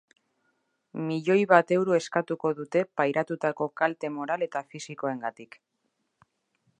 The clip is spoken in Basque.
Milioi bat euro eskatuko dute pairatutako kalte moral eta fisikoengatik.